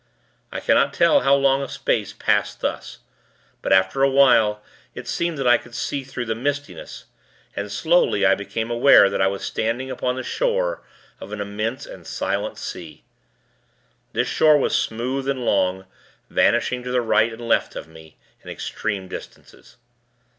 I cannot tell how long a space passed thus; but, after a while, it seemed that I could see through the mistiness; and, slowly, I became aware that I was standing upon the shore of an immense and silent sea. This shore was smooth and long, vanishing to right and left of me, in extreme distances.